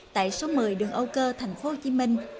tại số một mươi đường âu cơ thành phố hồ chí minh